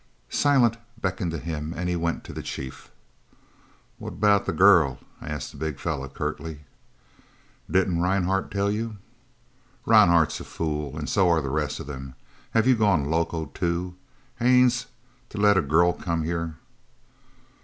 Silent beckoned to him and he went to the chief. "What about the girl?" asked the big fellow curtly. "Didn't Rhinehart tell you?" "Rhinehart's a fool and so are the rest of them. Have you gone loco too, Haines, to let a girl come here?"